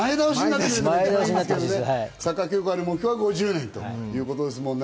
サッカー協会の目標は５０年ということです。